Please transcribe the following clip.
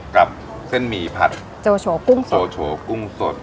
กับเส้นมีผัดโจโฉกุ้งสด